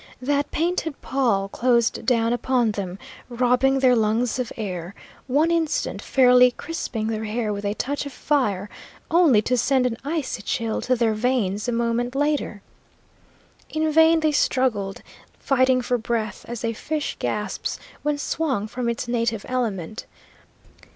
That painted pall closed down upon them, robbing their lungs of air, one instant fairly crisping their hair with a touch of fire, only to send an icy chill to their veins a moment later. In vain they struggled, fighting for breath, as a fish gasps when swung from its native element.